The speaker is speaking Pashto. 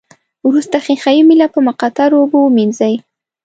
وروسته ښيښه یي میله په مقطرو اوبو ومینځئ.